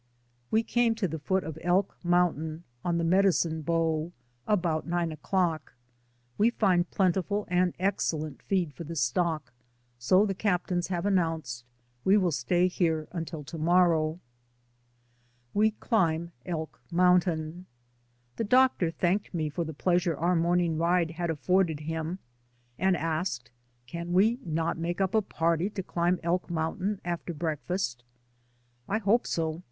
We came to the foot of Elk Mountain, on the Medicine Bow, about nine o'clock. We find plentiful and excellent feed for the stock, so the captains have announced, ''We will stay here until to morrow." DAYS ON THE ROAD. 157 WE CLIMB ELK MOUNTAIN. The doctor thanked me for the pleasure our morning ride had afforded him, and asked, "Can we not make up a party to cHmb Elk Mountain after breakfast?" "I hope so.